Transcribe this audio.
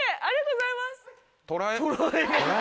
ありがとうございます。